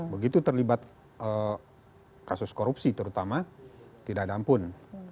begitu terlibat kasus korupsi terutama tidak ada ampun